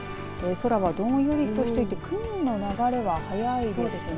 空がどんよりとしていて雲の流れは早いですね。